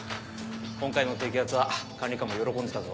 今回の摘発は管理官も喜んでたぞ。